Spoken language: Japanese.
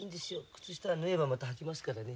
靴下縫えばまたはけますからね。